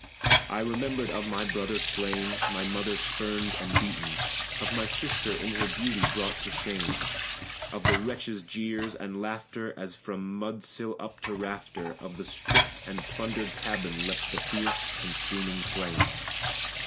I remembered of my brother slain, my mother spurned and beaten. Of my sister in her beauty brought to shame; Of the wretches' jeers and laughter, as from mud sill up to rafter Of the stripped and plundered cabin leapt the fierce, consuming flame.